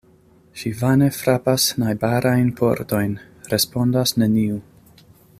Ŝi vane frapas najbarajn pordojn; respondas neniu.